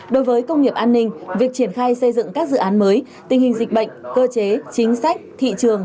đối với công nghiệp an ninh việc triển khai xây dựng các dự án mới tình hình dịch bệnh cơ chế chính sách thị trường